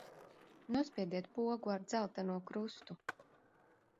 Nospiediet pogu ar dzelteno krustu.